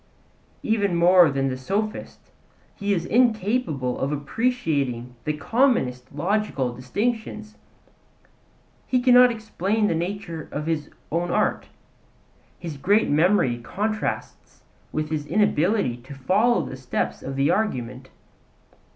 Even more than the sophist he is incapable of appreciating the commonest logical distinctions; he cannot explain the nature of his own art; his great memory contrasts with his inability to follow the steps of the argument.